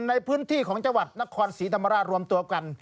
ในพื้นที่ของจังหวัดนครศรีธรรมราชรวมตัวกัน